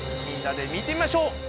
みんなで見てみましょう。